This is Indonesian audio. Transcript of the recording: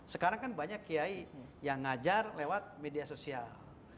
sekarang kan banyak kiai yang ngajar lewat media sosial